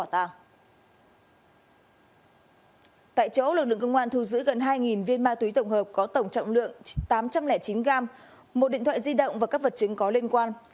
tại chỗ lực lượng công an thu giữ gần hai viên ma túy tổng hợp có tổng trọng lượng tám trăm linh chín gram một điện thoại di động và các vật chứng có liên quan